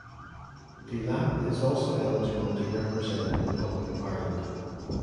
Delap is also eligible to represent the Republic of Ireland.